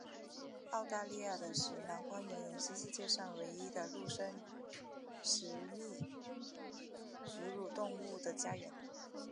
澳大利亚的石楠荒原也是世界上唯一的陆生食蜜哺乳动物的家园。